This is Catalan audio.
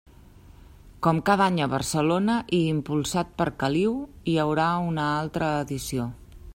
Com cada any a Barcelona i impulsat per Caliu, hi haurà una altra edició.